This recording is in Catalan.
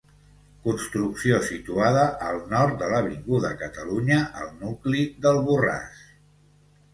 Construcció situada al nord de l'Avinguda Catalunya al nucli del Borràs.